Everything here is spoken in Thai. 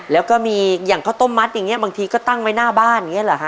แล้วก็มีอย่างข้าวต้มมัดอย่างนี้บางทีก็ตั้งไว้หน้าบ้านอย่างนี้เหรอฮะ